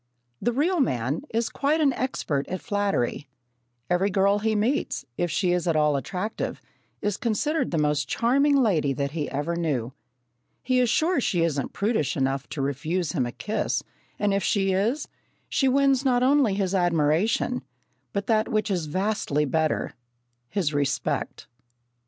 The real man is quite an expert at flattery. Every girl he meets, if she is at all attractive, is considered the most charming lady that he ever knew. He is sure she isn't prudish enough to refuse him a kiss, and if she is, she wins not only his admiration, but that which is vastly better his respect.